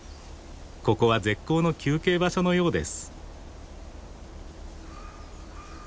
ここは絶好の休憩場所のようです。